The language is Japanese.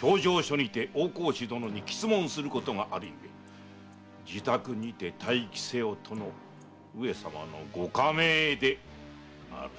評定所にて大河内殿に詰問することがあるゆえ自宅にて待機せよとの上様のご下命でござる。